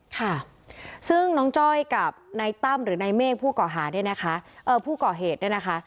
ค่ะซึ่งน้องจ้อยกับนายตั้มหรือนายเมฆผู้ก่อเหตุเนี่ยนะคะ